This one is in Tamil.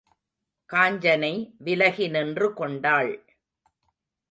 காஞ்சனை விலகி நின்று கொண்டாள்.